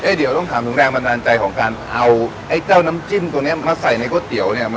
เดี๋ยวต้องถามถึงแรงบันดาลใจของการเอาไอ้เจ้าน้ำจิ้มตัวนี้มาใส่ในก๋วยเตี๋ยวเนี่ย